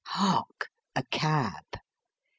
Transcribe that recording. Hark ! a cab !